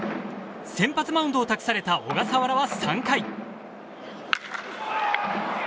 先発マウンドを託された小笠原は３回。